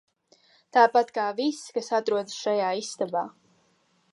Tāpat kā viss, kas atrodas šajā istabā.